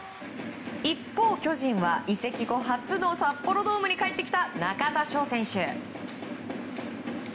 一方、巨人は移籍後初の札幌ドームに帰ってきた、中田翔選手。